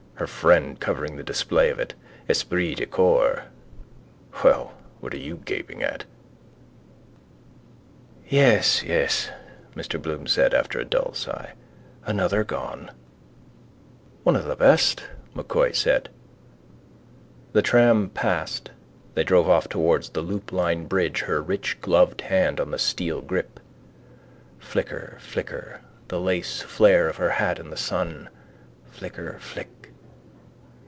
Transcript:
Her friend covering the display of. Esprit de corps. Well, what are you gaping at? —Yes, yes, Mr Bloom said after a dull sigh. Another gone. —One of the best, M'Coy said. The tram passed. They drove off towards the Loop Line bridge, her rich gloved hand on the steel grip. Flicker, flicker: the laceflare of her hat in the sun: flicker, flick.